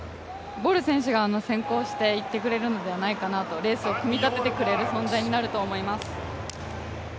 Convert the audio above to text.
ボル選手が先行していってくれるのではないかなと、レースを組み立ててくれる存在になると思います。